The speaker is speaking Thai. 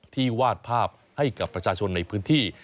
วาดภาพให้กับประชาชนในพื้นที่